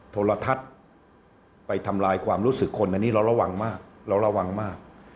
โทรทัศน์ไปทำลายความรู้สึกคนอันนี้เราระวังมาก